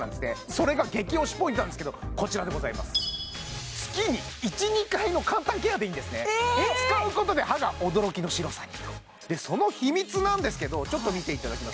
それが激推しポイントなんですけどこちらでございます月に１２回の簡単ケアでいいんですねえっ使うことで歯が驚きの白さにとその秘密なんですけどちょっと見ていただきます